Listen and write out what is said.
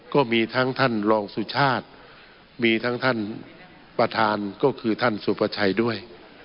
ก็มีทั้งท่านรองสุชาติมีทั้งท่านประธานก็คือท่านสุภาชัยด้วย